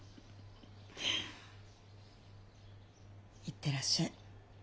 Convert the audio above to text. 行ってらっしゃい。